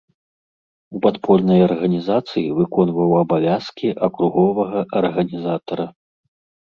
У падпольнай арганізацыі выконваў абавязкі акруговага арганізатара.